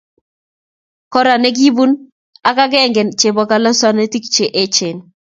Kora, ne kibun ak agenge chebo kalasutikchi che eechen